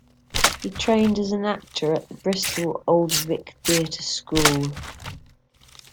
He trained as an actor at the Bristol Old Vic Theatre School.